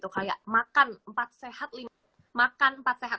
kayak makan empat sehat